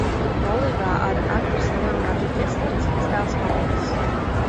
Laulībā ar aktrisi Leonardu Ķesteri dzimis dēls Pauls.